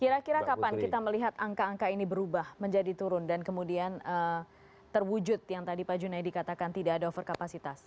kira kira kapan kita melihat angka angka ini berubah menjadi turun dan kemudian terwujud yang tadi pak junaidi katakan tidak ada overkapasitas